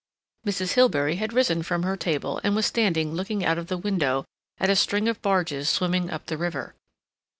Mrs. Hilbery had risen from her table, and was standing looking out of the window at a string of barges swimming up the river.